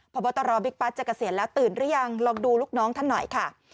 พบตรบิ๊กปั๊กจะเกษียณแล้วตื่นหรือยังลองดูลูกน้องท่านหน่อยค่ะ